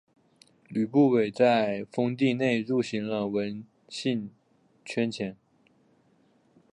吕不韦在封地内铸行了文信圜钱。